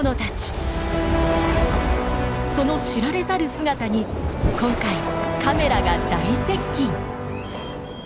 その知られざる姿に今回カメラが大接近！